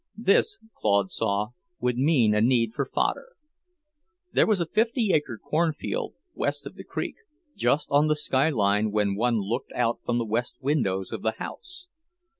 This, Claude saw, would mean a need for fodder. There was a fifty acre corn field west of the creek, just on the sky line when one looked out from the west windows of the house.